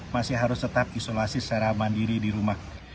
masih harus tetap isolasi secara mandiri di rumah